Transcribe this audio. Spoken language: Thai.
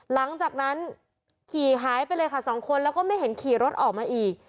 หลังจากนั้นขี่หายไปเลยค่ะสองคนแล้วก็ไม่เห็นขี่รถออกมาอีก